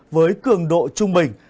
với cường độ trung bình